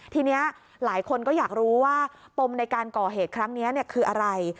ทีนี้หลายคนก็อยากรู้ว่าปมในการก่อเหตุครั้งนี้คืออะไร